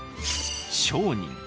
商人。